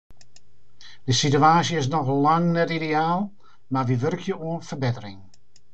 De situaasje is noch lang net ideaal, mar wy wurkje oan ferbettering.